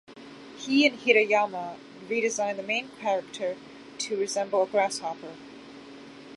He and Hirayama redesigned the main character to resemble a grasshopper.